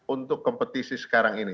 untuk kompetisi sekarang ini